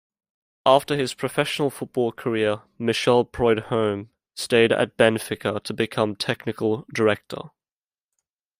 After his professional football career, Michel Preud'homme stayed at Benfica to become technical director.